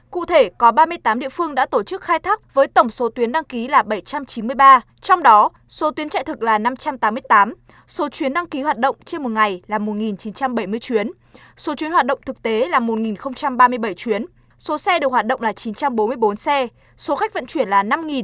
cụ thể có ba mươi tám địa phương đã tổ chức khai thác với tổng số tuyến đăng ký là bảy trăm chín mươi ba trong đó số tuyến chạy thực là năm trăm tám mươi tám số chuyến đăng ký hoạt động trên một ngày là một chín trăm bảy mươi chuyến số chuyến hoạt động thực tế là một ba mươi bảy chuyến số xe được hoạt động là chín trăm bốn mươi bốn xe số khách vận chuyển là năm mươi